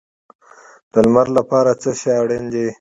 د لمر لپاره څه شی اړین دی؟